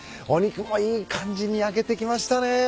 お肉もいい感じに焼けてきましたね。